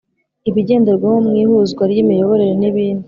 ibigenderwaho mu ihuzwa ry imiyoboro n ibindi